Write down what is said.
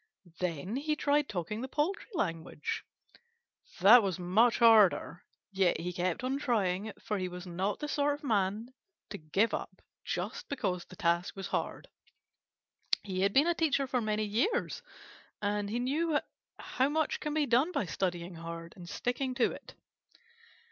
Then he tried talking the poultry language. That was much harder, yet he kept on trying, for he was not the sort of Man to give up just because the task was hard. He had been a teacher for many years, and he knew how much can be done by studying hard and sticking to it.